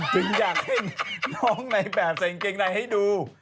อยากให้น้องในแบบใส่กางเกงในให้ดู